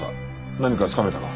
何かつかめたか？